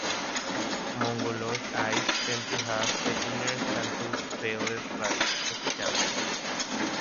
Mongoloid eyes tend to have the inner canthus veiled by the epicanthus.